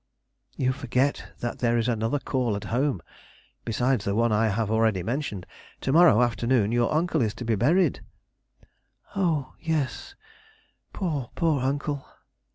"You forget that there is another call at home, besides the one I have already mentioned. To morrow afternoon your uncle is to be buried." "O yes; poor, poor uncle!"